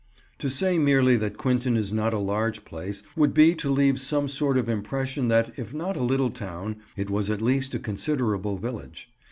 To say merely that Quinton is not a large place would be to leave some sort of impression that, if not a little town, it was at least a considerable village.